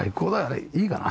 いいかな？